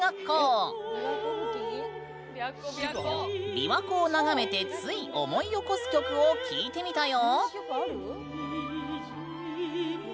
琵琶湖を眺めてつい思い起こす曲を聞いてみたよ。